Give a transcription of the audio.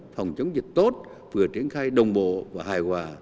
phòng chống dịch tốt vừa triển khai đồng bộ và hài hòa